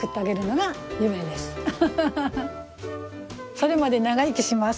それまで長生きします。